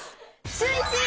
シューイチ！